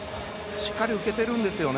しっかり受けているんですよね。